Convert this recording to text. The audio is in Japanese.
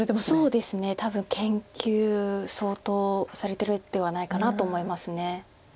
そうですね多分研究相当されてるんではないかなと思います。